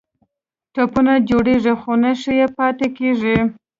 ټپونه جوړیږي خو نښې یې پاتې کیږي.